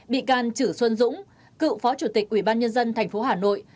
bị can trử xuân dũng cựu phó chủ tịch ubnd tp hà nội